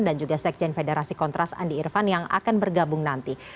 dan juga sekjen federasi kontras andi irvan yang akan bergabung nanti